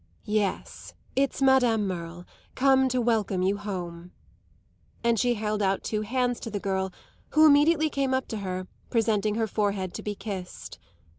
"Yes, it's Madame Merle, come to welcome you home." And she held out two hands to the girl, who immediately came up to her, presenting her forehead to be kissed.